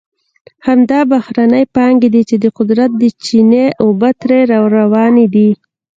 همدا بهرنۍ پانګې دي چې د قدرت د چینې اوبه ترې را روانې دي.